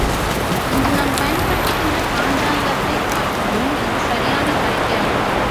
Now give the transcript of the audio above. இன்று நாம் பயன்படுத்துகிற பஞ்சாங்கத்தைக் காட்டிலும் இது சரியான, கணக்கேயாகும்.